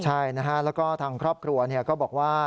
ใช่นะฮะแล้วก็ทางครอบครัวก็บอกว่า